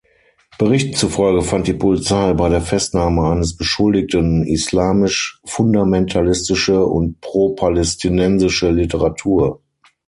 Berichten zufolge fand die Polizei bei der Festnahme eines Beschuldigten islamisch-fundamentalistische und pro-palästinensische Literatur.